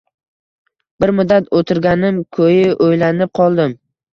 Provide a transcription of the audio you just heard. Bir muddat o`tirganim ko`yi o`ylanib qoldim